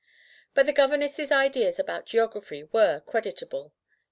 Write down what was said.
But the governess's ideas about geography were creditable.